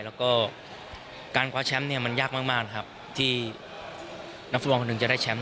แล้วก็การคว้าแชมป์เนี่ยมันยากมากนะครับที่นักฟุตบอลคนหนึ่งจะได้แชมป์